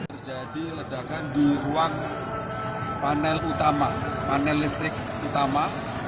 terjadi ledakan di ruang panel utama panel listrik utama